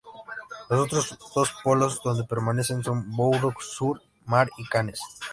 Los otros dos polos donde permanece son Boulogne Sur Mar y Cannes.